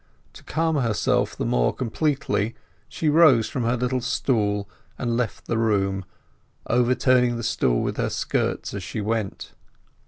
To calm herself the more completely, she rose from her little stool and left the room, overturning the stool with her skirts as she went.